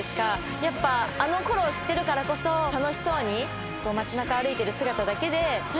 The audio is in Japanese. やっぱあの頃を知ってるからこそ楽しそうにこう街なか歩いてる姿だけであ